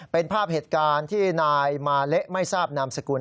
เป็นภาพเหตุการณ์ที่นายมาเละไม่ทราบนามสกุล